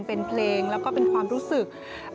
เป็นเพลงแล้วก็เป็นความรู้สึก